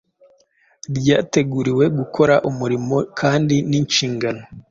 Ryateguriwe gukora umurimo kandi ninshingano